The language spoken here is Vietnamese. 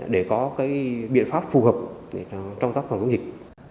để có biện pháp phù hợp trong tác phòng chống dịch